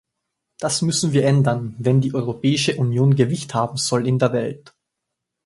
Das müssen wir ändern, wenn die Europäische Union Gewicht haben soll in der Welt!